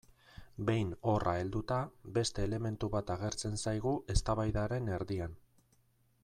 Behin horra helduta, beste elementu bat agertzen zaigu eztabaidaren erdian.